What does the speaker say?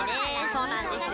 そうなんですよ。